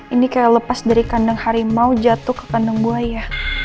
ini kayak lepas dari kandang harimau jatuh ke kandang buaya